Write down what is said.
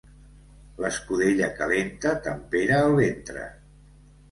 L'escudella calenta tempera el ventre.